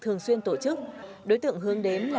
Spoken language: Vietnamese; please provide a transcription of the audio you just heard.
thường xuyên tổ chức đối tượng hướng đến